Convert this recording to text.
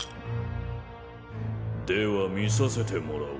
では見させてもらおう。